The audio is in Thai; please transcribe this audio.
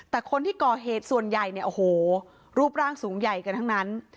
แต่คนที่ก่อเหตุส่วนใหญ่รูปร่างสูงใหญ่กันทั้งนั้น